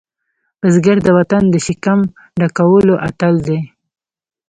بزګر د وطن د شکم ډکولو اتل دی